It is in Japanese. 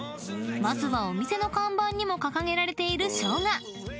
［まずはお店の看板にも掲げられている生姜］